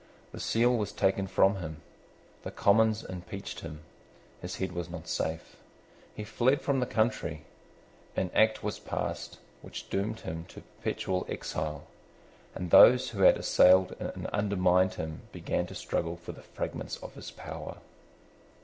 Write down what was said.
The seal was taken from him: the Commons impeached him: his head was not safe: he fled from the country: an act was passed which doomed him to perpetual exile; and those who had assailed and undermined him began to struggle for the fragments of his power.